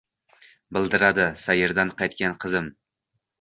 bidirladi sayrdan qaytgan qizim